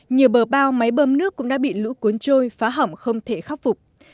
nhiều bờ bao máy bơm nước cũng đã bị lũ cuốn trôi phá hỏng không thể khắc phục